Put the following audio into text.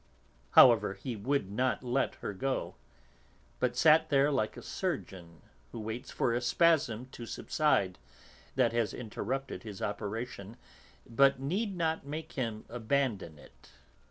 However, he would not let her go, but sat there like a surgeon who waits for a spasm to subside that has interrupted his operation but need not make him abandon it.